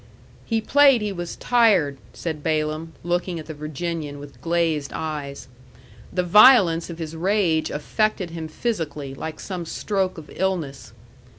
"He played he was tired," said Balaam, looking at the Virginian with glazed eyes. The violence of his rage affected him physically, like some stroke of illness.